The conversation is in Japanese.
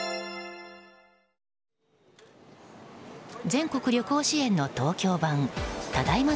全国旅行支援の東京版ただいま